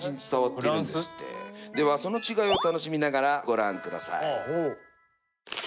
その違いを楽しみながらご覧下さい。